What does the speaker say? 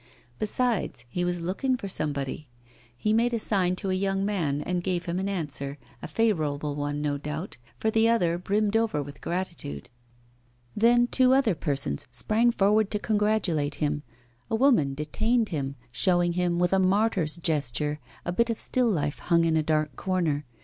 Besides, he was looking for somebody; he made a sign to a young man, and gave him an answer, a favourable one, no doubt, for the other brimmed over with gratitude. Then two other persons sprang forward to congratulate him; a woman detained him, showing him, with a martyr's gesture, a bit of still life hung in a dark corner.